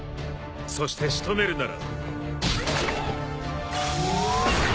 そして仕留めるなら。